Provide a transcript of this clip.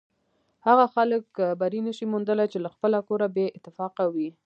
هغه خلک بری نشي موندلی چې له خپله کوره بې اتفاقه وي.